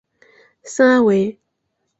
圣阿维。